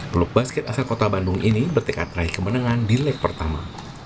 klub basket asal kota bandung ini bertekad raih kemenangan di leg pertama